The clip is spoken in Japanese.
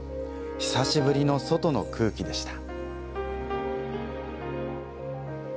久しぶりの外の空気でした。